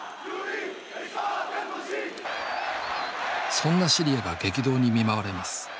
そんなシリアが激動に見舞われます。